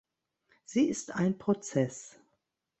Sie ist ein Prozess.